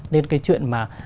nên cái chuyện mà